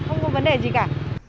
không có vấn đề gì cả